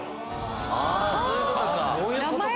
あそういうことか。